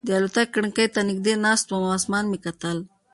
د الوتکې کړکۍ ته نږدې ناست وم او اسمان مې کتل.